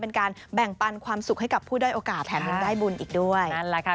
เป็นการแบ่งปันความสุขให้กับผู้ได้โอกาสแถมกันได้บุญอีกด้วย